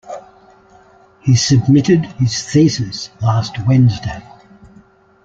He submitted his thesis last Wednesday.